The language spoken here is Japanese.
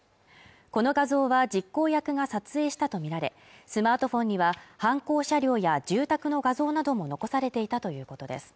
この画像は実行役が撮影したとみられスマートフォンには犯行車両や住宅の画像なども残されていたということです